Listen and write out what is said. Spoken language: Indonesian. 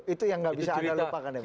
itu yang gak bisa ada lupa kan ya pak